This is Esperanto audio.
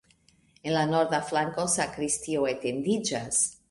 En la norda flanko sakristio etendiĝas.